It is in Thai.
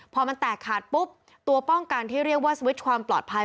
พอมันแตกขาดปุ๊บตัวป้องกันที่เรียกว่าสวิตช์ความปลอดภัย